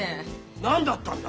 何だったんだ？